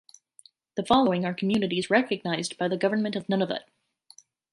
The following are communities recognised by the Government of Nunavut.